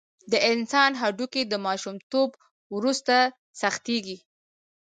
د انسان هډوکي د ماشومتوب وروسته سختېږي.